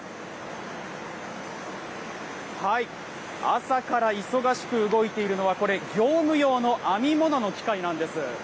朝から忙しく動いているのは、これ、業務用の編み物の機械なんです。